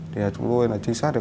thì chúng tôi là trinh sát